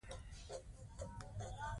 په خپل حالت راضي اوسئ.